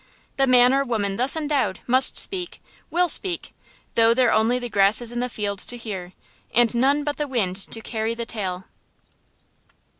The man or woman thus endowed must speak, will speak, though there are only the grasses in the field to hear, and none but the wind to carry the tale.